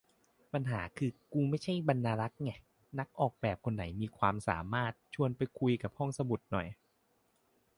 ปัญหาคือ กรูไม่ใช่บรรณารักษ์ไง นักออกแบบคนไหนมีความสามารถ ช่วยไปคุยกับห้องสมุดหน่อย